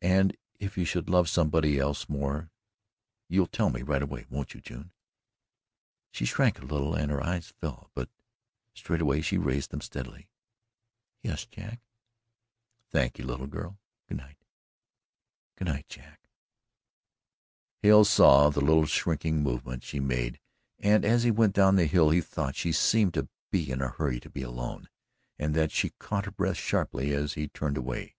"And if you should love somebody else more, you'll tell me right away won't you, June?" She shrank a little and her eyes fell, but straight way she raised them steadily: "Yes, Jack." "Thank you, little girl good night." "Good night, Jack." Hale saw the little shrinking movement she made, and, as he went down the hill, he thought she seemed to be in a hurry to be alone, and that she had caught her breath sharply as she turned away.